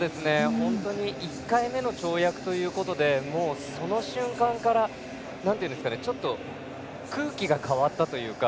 本当に１回目の跳躍ということでその瞬間から空気が変わったというか。